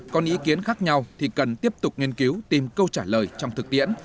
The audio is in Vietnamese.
còn ý kiến khác nhau thì cần tiếp tục nghiên cứu tìm câu trả lời trong thực tiễn